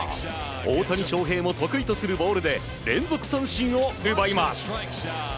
大谷翔平も得意とするボールで連続三振を奪います。